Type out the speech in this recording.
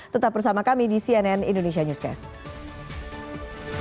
tetap bersama kami di cnn indonesia newscast